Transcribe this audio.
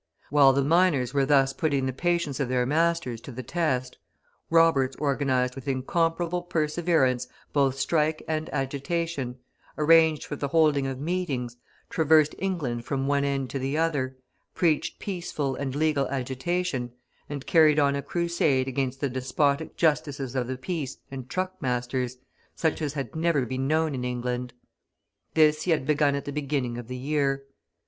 While the miners were thus putting the patience of their masters to the test, Roberts organised with incomparable perseverance both strike and agitation, arranged for the holding of meetings, traversed England from one end to the other, preached peaceful and legal agitation, and carried on a crusade against the despotic Justices of the Peace and truck masters, such as had never been known in England. This he had begun at the beginning of the year.